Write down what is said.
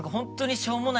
しょうもない？